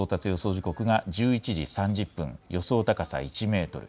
時刻が１１時３０分、予想高さ１メートル。